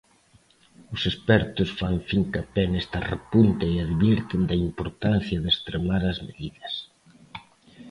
Os expertos fan fincapé nesta repunta e advirten da importancia de extremar as medidas.